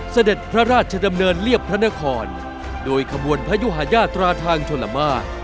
เสด็จพระราชดำเนินเรียบพระนครโดยขบวนพระยุหาญาตราทางชลมาก